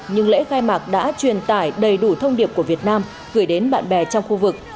nhưng lễ khai mạc đã truyền tải đầy đủ thông điệp của việt nam gửi đến bạn bè trong khu vực